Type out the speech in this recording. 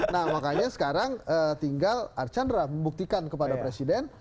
nah makanya sekarang tinggal archandra membuktikan kepada presiden